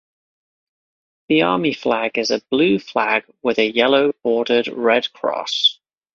The army flag is a blue flag with a yellow bordered red cross.